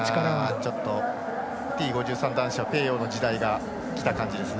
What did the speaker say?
ちょっとＴ５３はペーヨーの時代がきた感じですね。